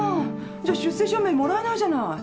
じゃあ出生証明もらえないじゃない。